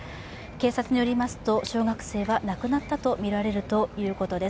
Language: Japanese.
警察によりますと小学生は亡くなったとみられるということです。